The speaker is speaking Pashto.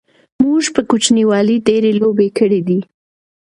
موږ په کوچنیوالی ډیری لوبی کړی دی